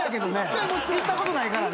行ったことないからね。